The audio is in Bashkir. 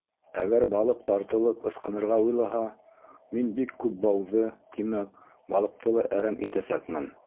Әгәр балыҡ тартылып ысҡынырға уйлаһа, мин бик күп бауҙы, тимәк, балыҡты ла әрәм итәсәкмен.